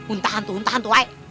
unta hantu hantu lain